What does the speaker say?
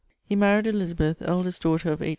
He maried Elizabeth, eldest daughter of H.